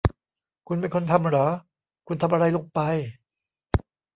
คุณเป็นคนทำหรอ ? คุณทำอะไรลงไป ?